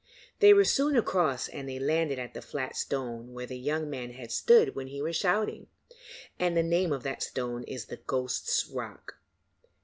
They were soon across and they landed at the flat stone where the young man had stood when he was shouting, and the name of that stone is the Ghost's Rock.